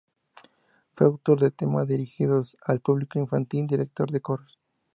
Fue autor de temas dirigidos al público infantil y director de coros.